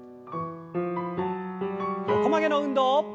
横曲げの運動。